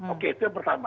oke itu yang pertama